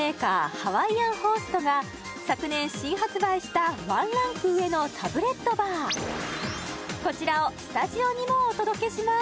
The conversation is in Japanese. ＨａｗａｉｉａｎＨｏｓｔが昨年新発売したワンランク上のタブレットバーこちらをスタジオにもお届けします